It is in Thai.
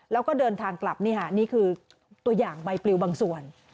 แล้วก็เดินทางกลับนี่ค่ะนี่คือตัวอย่างใบปลิวบางส่วน